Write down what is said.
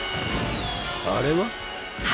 あれは？